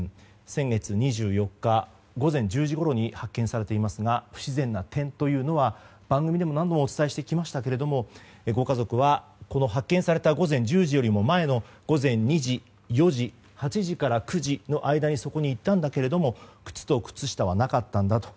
先月２４日、午前１０時ごろに発見されていますが不自然な点というのは番組でも何度もお伝えしてきましたがご家族は、この発見された午前１０時よりも前の午前２時、４時８時から９時の間にそこに行ったんだけども靴と靴下はなかったんだと。